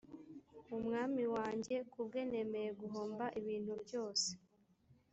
umwami wanjye. ku bwe nemeye guhomba ibintu byose